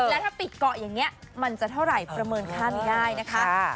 แล้วถ้าปิดเกาะอย่างนี้มันจะเท่าไหร่ประเมินค่าไม่ได้นะคะ